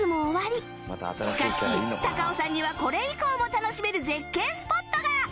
しかし高尾山にはこれ以降も楽しめる絶景スポットが